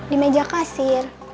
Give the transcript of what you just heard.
di meja kasir